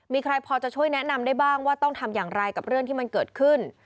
มีใครพอจะช่วยแนะนำได้บ้างว่าต้องทำอย่างไรกับเรื่องที่มันเกิดขึ้น